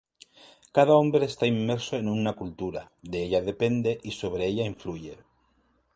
Cada hombre está inmerso en una cultura, de ella depende y sobre ella influye.